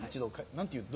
何て言うの？